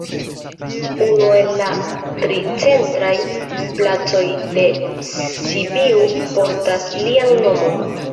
Unu el la tri centraj placoj de Sibiu portas lian nomon.